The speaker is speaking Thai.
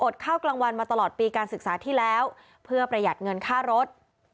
ข้าวกลางวันมาตลอดปีการศึกษาที่แล้วเพื่อประหยัดเงินค่ารถ